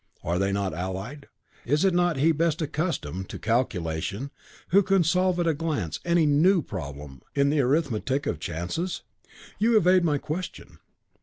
"Are they not allied? Is it not he best accustomed to calculation who can solve at a glance any new problem in the arithmetic of chances?" "You evade my question."